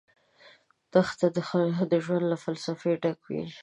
دښته د ژوند له فلسفې ډکه ده.